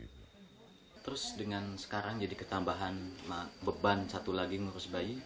terus dengan sekarang jadi ketambahan beban satu lagi ngurus bayi